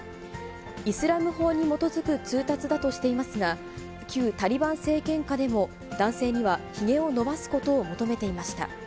イスラム法に基づく通達だとしていますが、旧タリバン政権下でも、男性には、ひげを伸ばすことを求めていました。